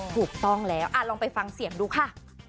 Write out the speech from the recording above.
ถูกต้องแล้วลองไปฟังเสียงดูค่ะ